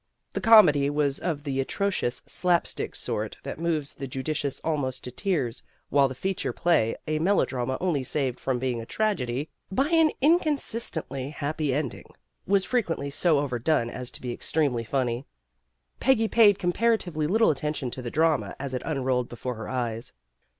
.The comedy was of the atrocious, slap stick sort that moves the judicious almost to tears while THE CURE 217 the feature play, a melodrama only saved from being a tragedy by an inconsistently happy ending, was frequently so overdone as to be ex tremely funny. Peggy paid comparatively little attention to the drama as it unrolled be fore her eyes.